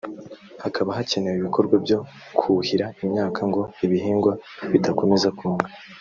haba hakenewe ibikorwa byo kuhira imyaka ngo ibihingwa bidakomeza kuma